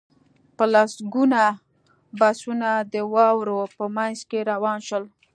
په لسګونه بسونه د واورو په منځ کې روان شول